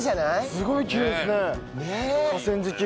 すごいきれいですね河川敷。